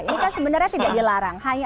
ini kan sebenarnya tidak dilarang